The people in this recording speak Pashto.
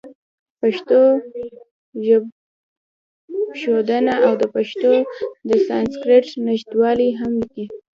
پښتو ژبښودنه او د پښتو او سانسکریټ نزدېوالی هم لیکلي.